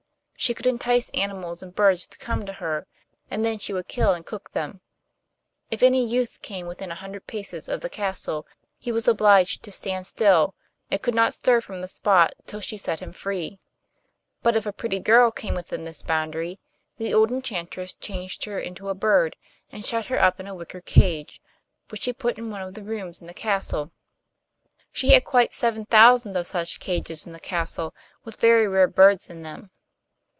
She could entice animals and birds to come to her, and then she would kill and cook them. If any youth came within a hundred paces of the castle, he was obliged to stand still, and could not stir from the spot till she set him free; but if a pretty girl came within this boundary, the old enchantress changed her into a bird, and shut her up in a wicker cage, which she put in one of the rooms in the castle. She had quite seven thousand of such cages in the castle with very rare birds in them.